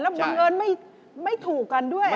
บังเอิญไม่ถูกกันด้วย